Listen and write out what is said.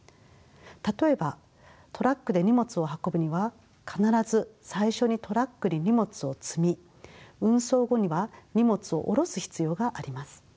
例えばトラックで荷物を運ぶには必ず最初にトラックに荷物を積み運送後には荷物を降ろす必要があります。